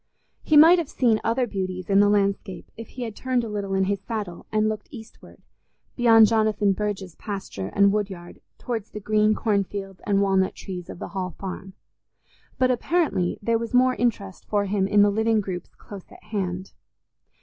He might have seen other beauties in the landscape if he had turned a little in his saddle and looked eastward, beyond Jonathan Burge's pasture and woodyard towards the green corn fields and walnut trees of the Hall Farm; but apparently there was more interest for him in the living groups close at hand.